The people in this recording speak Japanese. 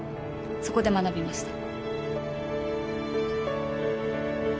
そこで学びました。